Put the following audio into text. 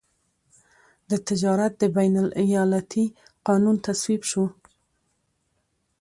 د تجارت د بین الایالتي قانون تصویب شو.